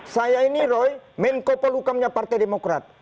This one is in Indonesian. saya ini roy main kopal ukamnya partai demokrat